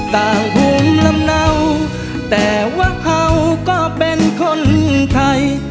ต่างภูมิลำเนาแต่ว่าเขาก็เป็นคนไทย